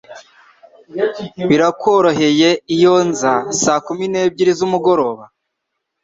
Birakworoheye iyo nza saa kumi nimwe zumugoroba?